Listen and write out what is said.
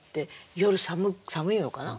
夜寒いのかな？